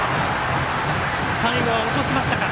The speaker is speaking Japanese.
最後は落としましたか。